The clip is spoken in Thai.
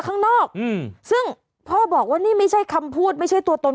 ข้างนอกอืมซึ่งพ่อบอกว่านี่ไม่ใช่คำพูดไม่ใช่ตัวตน